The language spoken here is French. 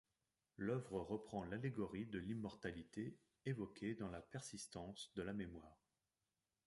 L’œuvre reprend l'allégorie de l'immortalité évoquée dans La Persistance de la mémoire.